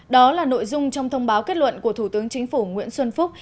đó là nội dung trong thông báo kết luận của thủ tướng chính phủ nguyễn xuân phúc